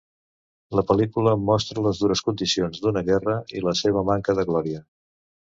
La pel·lícula mostra les dures condicions d'una guerra i la seva manca de glòria.